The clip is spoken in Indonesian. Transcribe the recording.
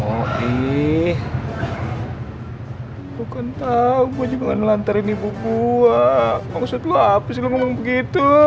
oh iiih bukan tahu gue juga ngelantarin ibu buah maksud lo apa sih lo ngomong begitu